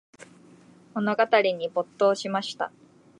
物語に没頭しました。